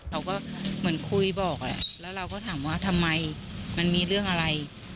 เราก็เหมือนคุยบอกแล้วเราก็ถามว่าทำไมมันมีเรื่องอะไร